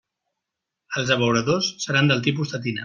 Els abeuradors seran del tipus tetina.